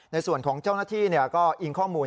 ในส่วนของเจ้าหน้าที่ก็อิงข้อมูล